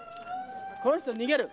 この人逃げる。